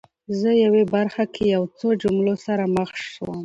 زه یوې برخه کې یو څو جملو سره مخ شوم